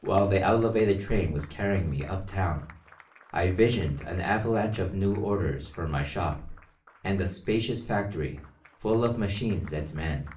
While the Elevated train was carrying me up town I visioned an avalanche of new orders for my shop and a spacious factory full of machines and men.